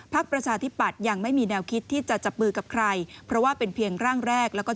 ประชาธิปัตย์ยังไม่มีแนวคิดที่จะจับมือกับใครเพราะว่าเป็นเพียงร่างแรกแล้วก็